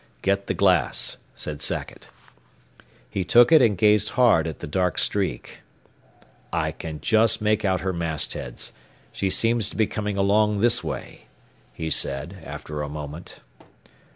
"Get the glass," said Sackett. He took it and gazed hard at the dark streak. "I can just make out her mastheads. She seems to be coming along this way,'" he said, after a moment.